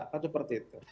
kan seperti itu